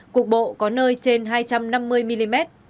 cục bộ có nơi trên hai trăm năm mươi mm